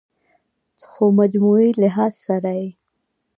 خو مجموعي لحاظ سره ئې